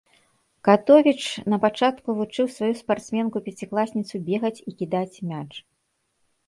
Катовіч, напачатку вучыў сваю спартсменку-пяцікласніцу бегаць і кідаць мяч.